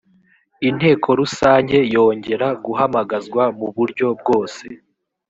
inteko rusange yongera guhamagazwa mu buryo bwose